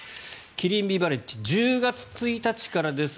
キリンビバレッジ１０月１日からです。